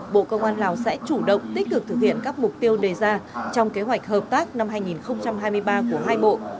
bộ công an lào sẽ chủ động tích cực thực hiện các mục tiêu đề ra trong kế hoạch hợp tác năm hai nghìn hai mươi ba của hai bộ